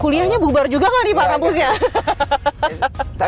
kuliahnya bubar juga kan pak kampusnya